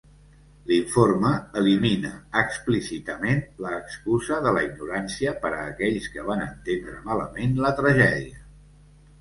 L"informe elimina explícitament la excusa de la ignorància per a aquells que van entendre malament la tragèdia.